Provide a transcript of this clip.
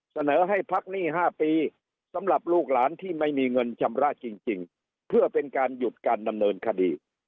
เสนอให้พักหนี้๕ปีสำหรับลูกหลานที่ไม่มีเงินชำระจริงเพื่อเป็นการหยุดการดำเนินคดี